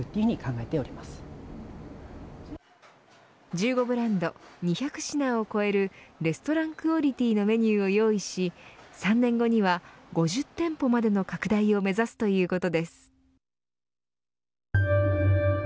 １５ブランド２００品を超えるレストランクオリティーのメニューを用意し３年後には５０店舗までの拡大を目指すということです。